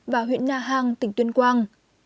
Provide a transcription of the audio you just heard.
và huyện na hàng tỉnh tuyên quang